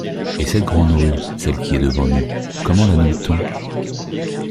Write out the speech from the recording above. Et cette grande rue, celle qui est devant nous, comment la nomme-t-on?